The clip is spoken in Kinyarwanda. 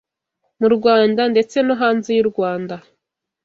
mu Rwanda ndetse no hanze y’u Rwanda,